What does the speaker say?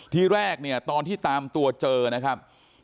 ที่แรกเนี่ยตอนที่ตามตัวเจอนะครับ